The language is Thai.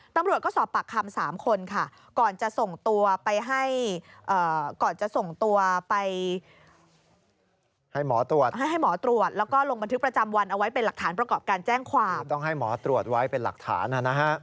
ตำรวจก็สอบปากคำ๓คน